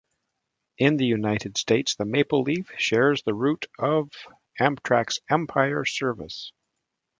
In the United States, the Maple Leaf shares the route of Amtrak's "Empire Service".